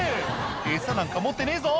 エサなんか持ってねえぞ！」